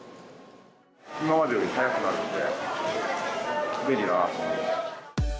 今までより早くなるので、便利だなと思います。